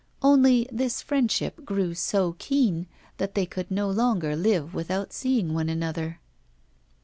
Only, this friendship grew so keen that they could no longer live without seeing one another.